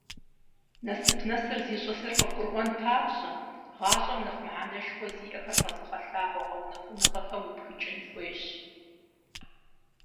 Насып нэсыр зищӀысыр къыбгурыӀуэн папщӀэ, гъащӏэм нэхъ мыхьэнэшхуэ зиӏэхэр къэзыгъэлъагъуэ гъэунэхуныгъэхэм упхыкӀын хуейщ.